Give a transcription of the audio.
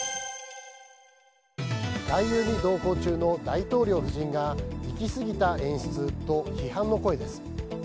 外遊に同行中の大統領夫人がいきすぎた演出と批判の声です。